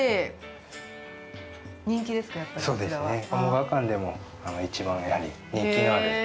鴨川館でも一番やはり人気のある。